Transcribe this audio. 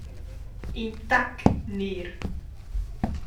In tac ner!